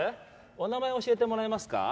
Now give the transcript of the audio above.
お名前教えてもらえますか？